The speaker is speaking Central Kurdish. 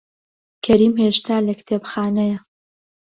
کەریم هێشتا لە کتێبخانەیە.